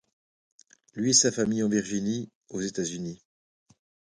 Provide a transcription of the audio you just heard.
Lui et sa famille en Virginie, aux États-Unis.